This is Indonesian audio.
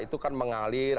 itu kan mengalir